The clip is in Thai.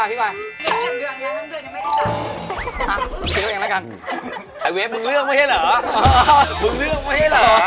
เอาแล้วมาเลยมาหน่อยด้วย